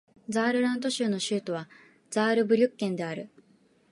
ザールラント州の州都はザールブリュッケンである